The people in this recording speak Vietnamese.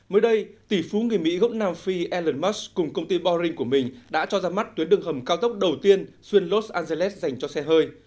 mới đây tỷ phú người mỹ gốc nam phi elon musk cùng công ty boring của mình đã cho ra mắt tuyến đường hầm cao tốc đầu tiên xuyên los angeles dành cho xe hơi